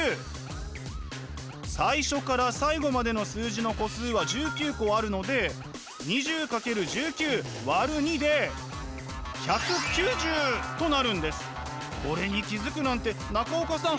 最初から最後までの数字の個数は１９個あるので２０×１９÷２でこれに気付くなんて中岡さん